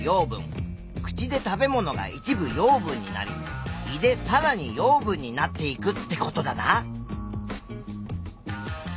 口で食べ物が一部養分になり胃でさらに養分になっていくってことだな。